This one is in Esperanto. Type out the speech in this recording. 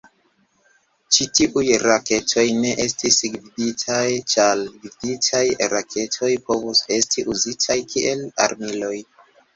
Ĉi tiuj raketoj ne estis gviditaj, ĉar gviditaj raketoj povus esti uzitaj kiel armiloj.